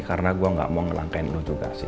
karena gue gak mau ngelangkain lo juga sih